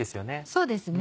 そうですね。